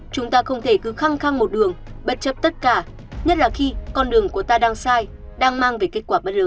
chúng ta không thể cứ khăng khăng một đường bất chấp tất cả nhất là khi con đường của ta đang sai đang mang về kết quả bất lợi